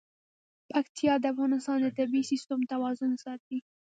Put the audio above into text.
پکتیا د افغانستان د طبعي سیسټم توازن ساتي.